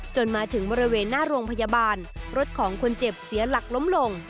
จนถึงบริเวณหน้าโรงพยาบาลรถของคนเจ็บเสียหลักล้มลง